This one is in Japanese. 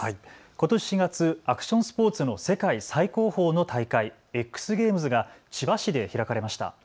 ことし４月、アクションスポーツの世界最高峰の大会、Ｘゲームズが千葉市で開かれました。